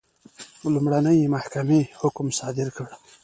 لومړنۍ محکمې حکم صادر کړ.